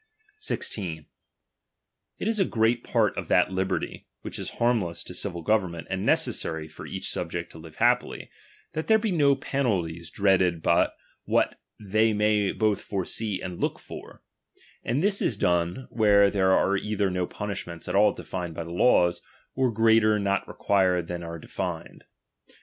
16. It is a great part of that liberty, which isti'^'b harmless to civil government and necessary for each musi n subject to live happily, that there be no penalties ^l^^, QTeaded but wliat they may both foresee and look ^^'"'" for ; and this is done, where there are either no PVluishments at all defined by the laws, or greater lot required than are defined.